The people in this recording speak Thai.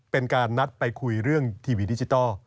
เป็นการนัดไปคุยเรื่องทีวีดิจิทัล